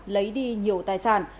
lấy đi nhiều tài sản